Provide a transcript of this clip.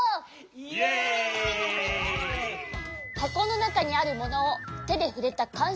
イエイ！はこのなかにあるものをてでふれたかん